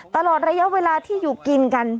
ตลอดระยะเวลาที่อยู่กินกัน